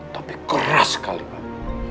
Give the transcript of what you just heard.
tapi keras sekali pak